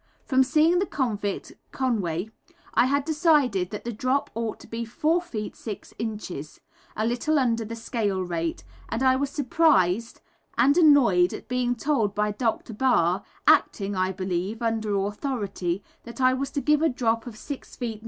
From seeing the convict, Conway, I had decided that the drop ought to be 4 ft. 6 in., a little under the scale rate; and I was surprised and annoyed at being told by Dr. Barr, acting, I believe, under authority, that I was to give a drop of 6 ft.